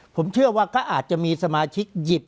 ผมเชื่อว่าก็อาจจะมีสมาชิกหยิบ